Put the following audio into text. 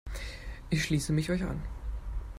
Ich schließe mich euch an.